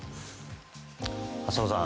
浅尾さん。